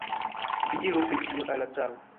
Vi diru pri tio al la caro!